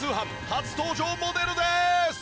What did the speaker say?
初登場モデルです！